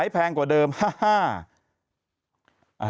แพงกว่าเดิมฮ่า